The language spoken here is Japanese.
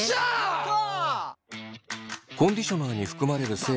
やった！